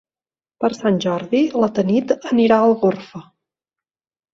Per Sant Jordi na Tanit anirà a Algorfa.